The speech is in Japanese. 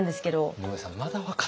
井上さんまだ分かってない